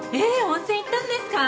温泉行ったんですか？